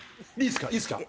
いいですか？